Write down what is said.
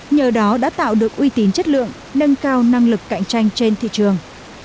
nhờ đó đã tạo được uy tín chất lượng nâng cao năng lực cạnh tranh trên thị trường